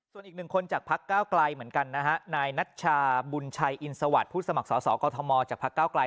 ส่วนอีกหนึ่งคนจากพักเก้าไกลเหมือนกันนะฮะนายนัชชาบุญชัยอินสวัสดิ์ผู้สมัครสอสอกอทมจากพักเก้าไกล